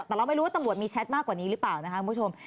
แต่เราไม่รู้ว่าตำรวจมีแชทมากกว่านี้หรือเปล่านะคะคุณผู้ชม